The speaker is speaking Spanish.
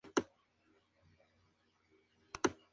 Realizó grabaciones de arias de "Carmen", "Werther" y "Tosca".